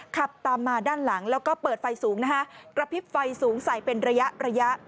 ขับตามมาด้านหลังแล้วก็เปิดไฟสูงนะฮะกระพริบไฟสูงใส่เป็นระยะระยะ